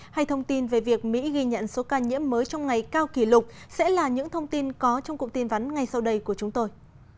hay thông tin về việc mỹ ghi nhận số ca nhiễm mới trong ngày cao kỷ lục sẽ là những thông tin có trong cuộc tin vắn ngay sau đây của chúng tôi